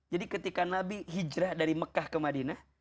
jadi ketika nabi hijrah dari mekah ke madinah